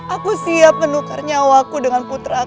aku siap menukar nyawaku dengan putraku